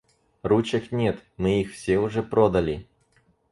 Ручек нет, мы их все уже продали.